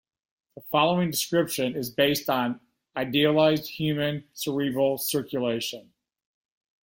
The following description is based on idealized human cerebral circulation.